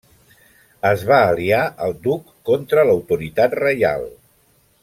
Es va aliar al duc contra l'autoritat reial.